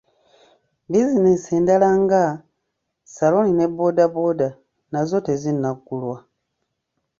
Bizinensi endala nga; saluuni ne bbooda bbooda nazo tezinnaggulwa.